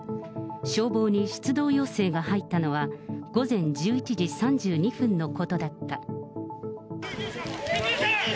消防に出動要請が入ったのは午前１１時３２分のことだった。